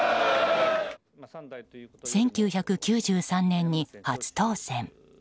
１９９３年に初当選。